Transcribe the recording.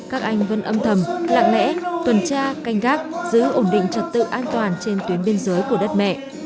các anh vẫn âm thầm lặng lẽ tuần tra canh gác giữ ổn định trật tự an toàn trên tuyến biên giới của đất mẹ